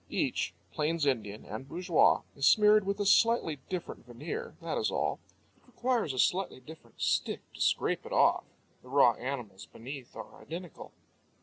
Each, plains Indian and bourgeois, is smeared with a slightly different veneer, that is all. It requires a slightly different stick to scrape it off. The raw animals beneath are identical.